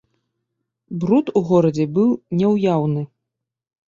Бруд у горадзе быў няўяўны.